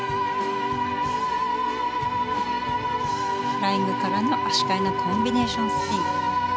フライングからの足換えのコンビネーションスピン。